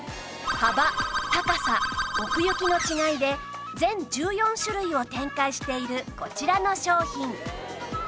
幅高さ奥行きの違いで全１４種類を展開しているこちらの商品